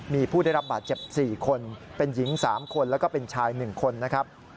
มีผู้ได้รับบาดเจ็บ๔คนเป็นหญิง๓คนแล้วก็เป็นชาย๑คนนะครับ